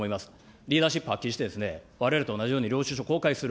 リーダーシップ発揮して、われわれと同じように領収書公開する。